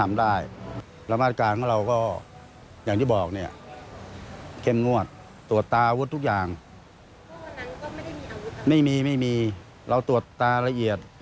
ไม่มีเราตรวจตาระเอียด